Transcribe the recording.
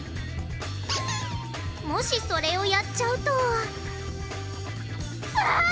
もしそれをやっちゃうとうわぁ！